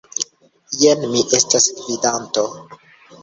Jen, mi estas gvidanto.